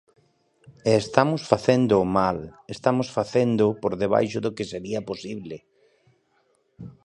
E estamos facéndoo mal, estamos facéndoo por debaixo do que sería posible.